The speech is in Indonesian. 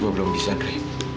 gua belum bisa dre